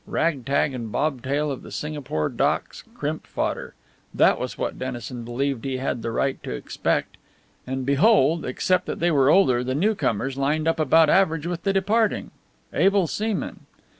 Rag tag and bob tail of the Singapore docks, crimp fodder that was what Dennison believed he had the right to expect. And behold! Except that they were older, the newcomers lined up about average with the departing able seamen.